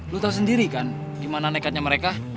lo tau sendiri kan gimana nekatnya mereka